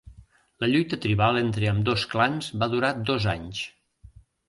La lluita tribal entre ambdós clans va durar dos anys.